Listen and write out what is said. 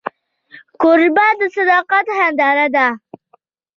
کوربه د صداقت هنداره ده.